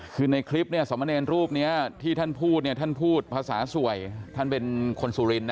คือในคลิปเนี่ยสมเนรรูปนี้ที่ท่านพูดเนี่ยท่านพูดภาษาสวยท่านเป็นคนสุรินท